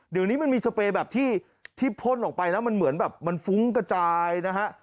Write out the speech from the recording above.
เดี๋ยวนี้มันมีสเปรย์แบบที่พ่นออกไปแล้วมันเหมือนแบบมันฟุ้งกระจายนะฮะ